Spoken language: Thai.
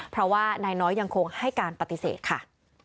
เพราะว่านายน้อยยังคงให้การปฏิเสธค่ะ